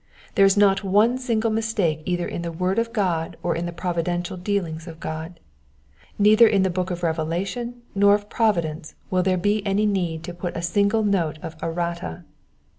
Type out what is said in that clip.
There is not one single mistake either in the word of God or in the providential dealings of God. Neither in the book of revelation nor of providence will there be any need to put a single note of errata.